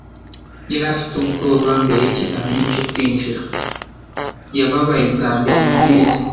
Yari afite ubwoba mbere yikizamini cyo kwinjira. Yababaye bwa mbere mumezi.